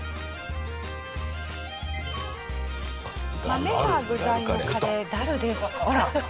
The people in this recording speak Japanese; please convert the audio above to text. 豆が具材のカレーダルです。